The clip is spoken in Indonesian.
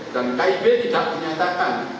dan kib tidak menyatakan